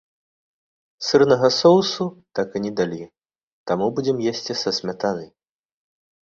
Сырнага соусу так і не далі, таму будзем есці са смятанай.